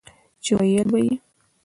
چې وييل به يې